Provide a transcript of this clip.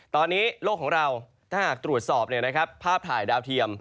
ตอนนี้โลกของเราถ้าหากตรวจสอบภาพถ่ายดาวเทียม